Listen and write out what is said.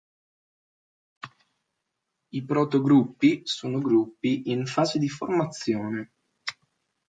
I "proto-gruppi" sono gruppi in fase di formazione.